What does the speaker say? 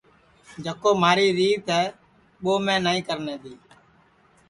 جکو مہاری ریت ہے ٻو میں نائی کرنے دؔیئے